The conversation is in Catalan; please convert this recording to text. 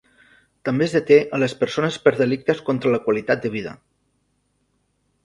També es deté a les persones per delictes contra la qualitat de vida.